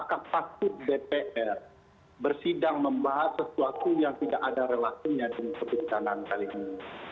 apakah takut dpr bersidang membahas sesuatu yang tidak ada relaksinya di kebencanaan kali ini